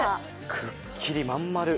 くっきり、まん丸！